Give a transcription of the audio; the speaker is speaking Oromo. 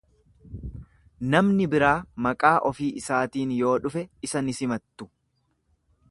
Namni biraa maqaa ofii isaatiin yoo dhufe isa ni simattu.